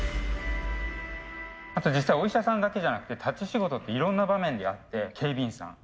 あと実際お医者さんだけじゃなくて立ち仕事っていろんな場面であって警備員さん